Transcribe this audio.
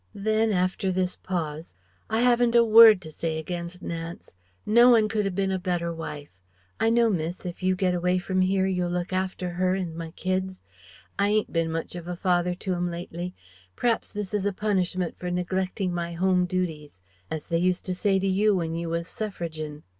Then, after this pause "I haven't a word to say against Nance. No one could 'a bin a better wife. I know, miss, if you get away from here you'll look after her and my kids? I ain't bin much of a father to 'em lately. P'raps this is a punishment for neglecting my home duties As they used to say to you when you was Suffragin'."